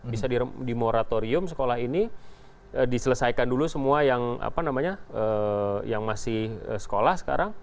bisa di moratorium sekolah ini diselesaikan dulu semua yang masih sekolah sekarang